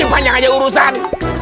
ini panjang aja urusan